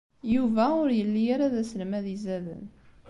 Yuba ur yelli ara d aselmad izaden.